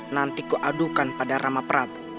nanti ku adukan pada rama prabu